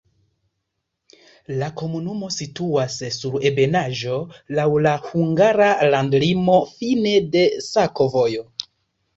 La komunumo situas sur ebenaĵo, laŭ la hungara landlimo, fine de sakovojo.